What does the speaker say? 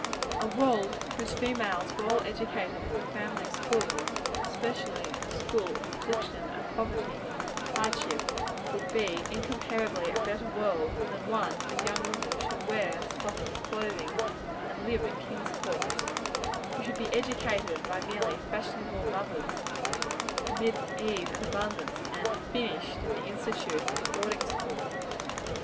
A world whose females were all educated in the family schools and especially in the school of affliction, and poverty, and hardship would be incomparably a better world than one whose young women should "wear soft clothing," and live in "kings' courts" who should be educated by merely fashionable mothers, amid ease and abundance, and "finished" at the institute or the boarding school.